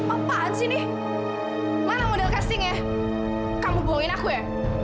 apaan sih ini mana model castingnya kamu bohongin aku ya